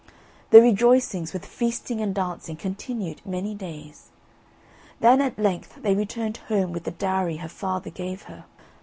The rejoicings, with feasting and dancing, continued many days. Then at length they returned home with the dowry her father gave her.